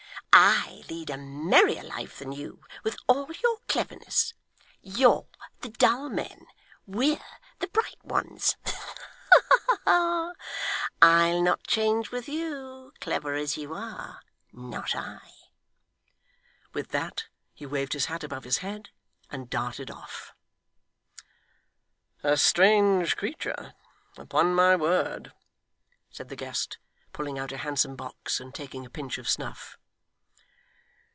I lead a merrier life than you, with all your cleverness. You're the dull men. We're the bright ones. Ha! ha! I'll not change with you, clever as you are, not I!' With that, he waved his hat above his head, and darted off. 'A strange creature, upon my word!' said the guest, pulling out a handsome box, and taking a pinch of snuff.